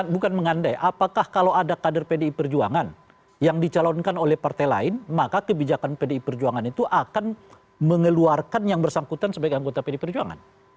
bukan mengandai apakah kalau ada kader pdi perjuangan yang dicalonkan oleh partai lain maka kebijakan pdi perjuangan itu akan mengeluarkan yang bersangkutan sebagai anggota pdi perjuangan